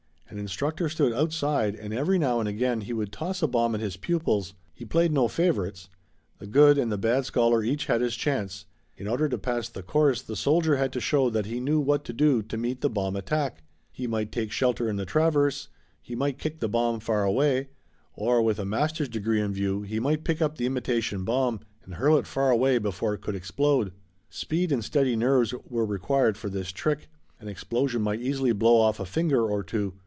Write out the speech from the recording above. An instructor stood outside and every now and again he would toss a bomb at his pupils. He played no favorites. The good and the bad scholar each had his chance. In order to pass the course the soldier had to show that he knew what to do to meet the bomb attack. He might take shelter in the traverse; he might kick the bomb far away; or, with a master's degree in view, he might pick up the imitation bomb and hurl it far away before it could explode. Speed and steady nerves were required for this trick. An explosion might easily blow off a finger or two.